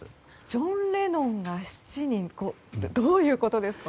ジョン・レノンが７人どういうことですか？